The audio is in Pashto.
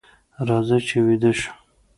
راځئ چې ویده شو.